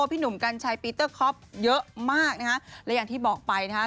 พี่หนุ่มกัญชัยปีเตอร์คอปเยอะมากนะคะและอย่างที่บอกไปนะฮะ